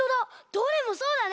どれもそうだね。